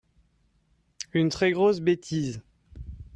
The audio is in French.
une très grosse bétise.